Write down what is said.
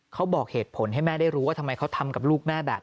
เขาบอกเหตุผลให้แม่ได้รู้ว่าทำไมเขาทำกับลูกแม่แบบ